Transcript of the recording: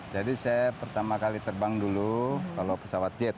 jadi saya pertama kali terbang dulu kalau pesawat jet